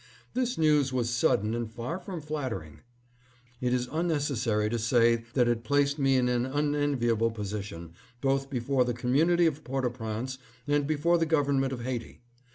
This news was sudden and far from flatter ing. It is unnecessary to say that it placed me in an unenviable position, both before the community of Port au Prince and before the government of Haiti.